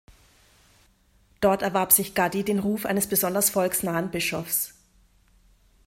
Dort erwarb sich Gaddi den Ruf eines besonders volksnahen Bischofs.